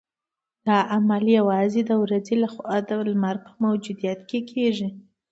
دا عمل یوازې د ورځې لخوا د لمر په موجودیت کې کیږي